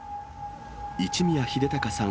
一宮秀孝さん